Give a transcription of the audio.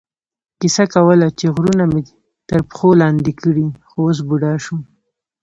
کیسه کوله چې غرونه مې تر پښو لاندې کړي، خو اوس بوډا شوم.